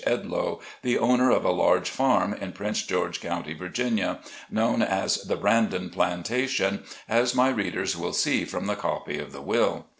Edloe, the owner of a large farm in Prince George County, Virginia, known as the Brandon Plantation, as my readers will see from the copy of the will.